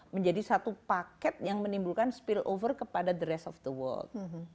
menjadi satu paket yang menimbulkan spillover kepada the rest of the world